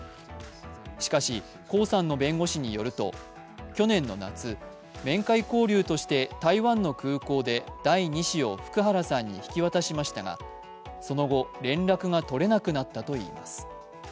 しかし、江さんの弁護士によると去年の夏、面会交流として台湾の空港で第二子を福原さんに引き渡しましたが、その後、連絡が取れなくなったといいます。